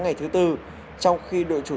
ngày thứ tư trong khi đội chủ